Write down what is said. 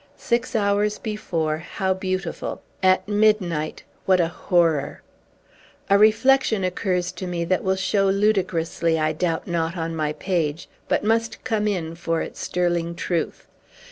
Six hours before, how beautiful! At midnight, what a horror! A reflection occurs to me that will show ludicrously, I doubt not, on my page, but must come in for its sterling truth.